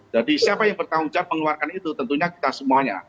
jadi siapa yang bertanggung jawab mengeluarkan itu tentunya kita semuanya